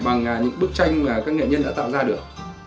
bằng những bức tranh mà các nghệ nhân đã tạo ra được